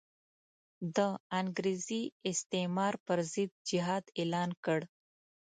د انګریزي استعمار پر ضد جهاد اعلان کړ.